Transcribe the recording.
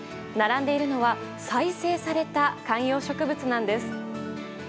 並んでいるのは再生された観葉植物なんです。